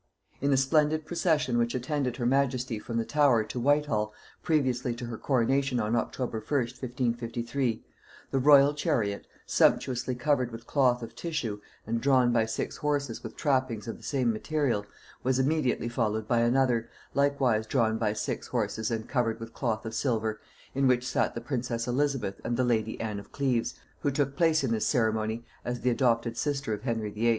In the splendid procession which attended her majesty from the Tower to Whitehall previously to her coronation on October 1st 1553, the royal chariot, sumptuously covered with cloth of tissue and drawn by six horses with trappings of the same material, was immediately followed by another, likewise drawn by six horses and covered with cloth of silver, in which sat the princess Elizabeth and the lady Anne of Cleves, who took place in this ceremony as the adopted sister of Henry VIII.